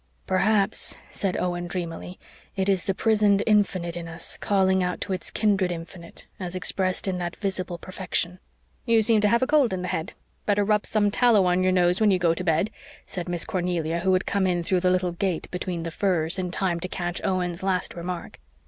"Perhaps," said Owen dreamily, "it is the prisoned infinite in us calling out to its kindred infinite as expressed in that visible perfection." "You seem to have a cold in the head. Better rub some tallow on your nose when you go to bed," said Miss Cornelia, who had come in through the little gate between the firs in time to catch Owen's last remark.